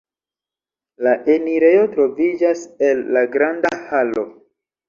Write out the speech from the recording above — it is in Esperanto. La enirejo troviĝas el la granda halo.